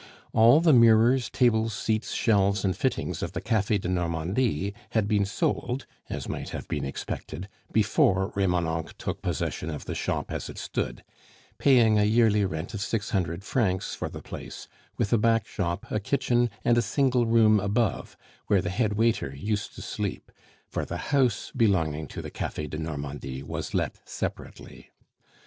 All the mirrors, tables, seats, shelves, and fittings of the Cafe de Normandie had been sold, as might have been expected, before Remonencq took possession of the shop as it stood, paying a yearly rent of six hundred francs for the place, with a back shop, a kitchen, and a single room above, where the head waiter used to sleep, for the house belonging to the Cafe de Normandie was let separately.